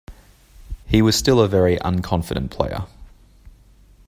He was still a very unconfident player.